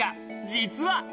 実は。